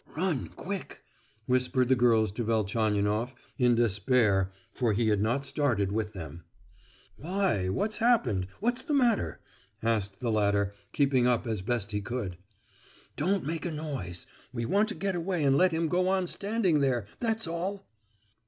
"Run quick!" whispered the girls to Velchaninoff, in despair, for he had not started with them. "Why, what's happened? What's the matter?" asked the latter, keeping up as best he could. "Don't make a noise! we want to get away and let him go on standing there—that's all."